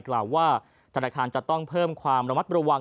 กล่าวว่าธนาคารจะต้องเพิ่มความระมัดระวัง